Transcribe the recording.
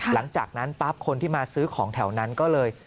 หลังจากนั้นปั๊บคนที่มาซื้อของแถวนั้นก็เลย